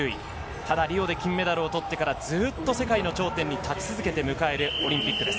ただリオで金メダルを取ってからずっと世界の頂点立ち続けて迎えるオリンピックです。